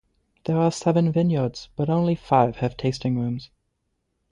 There are seven vineyards, but only five have tasting rooms.